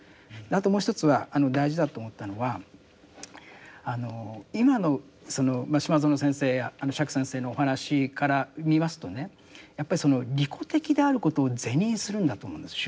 あともう一つは大事だと思ったのはあの今のその島薗先生や釈先生のお話から見ますとねやっぱりその利己的であることを是認するんだと思うんです宗教が。